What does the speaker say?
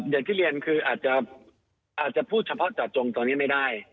อย่างที่เรียนคืออาจจะพูดเฉพาะเจาะจงตอนนี้ไม่ได้